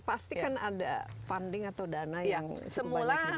pasti kan ada funding atau dana yang cukup banyak